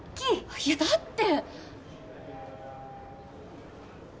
いやだって。